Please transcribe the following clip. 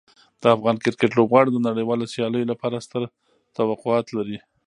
د افغان کرکټ لوبغاړو د نړیوالو سیالیو لپاره ستر توقعات لري.